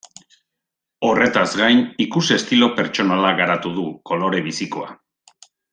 Horretaz gain, ikus-estilo pertsonala garatu du, kolore bizikoa.